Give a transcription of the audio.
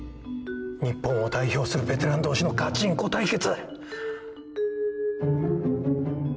日本を代表するベテラン同士のガチンコ対決！